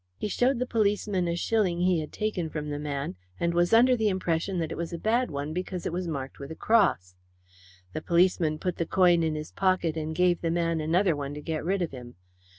He showed the policeman a shilling he had taken from the man, and was under the impression that it was a bad one because it was marked with a cross. The policeman put the coin in his pocket and gave the man another one to get rid of him.